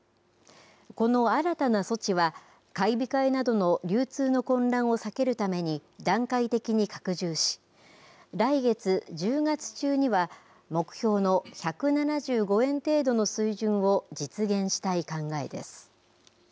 この新たな措置は、買い控えなどの流通の混乱を避けるために段階的に拡充し、来月１０月中には目標の１７５円程度の水準を実現したい考えです。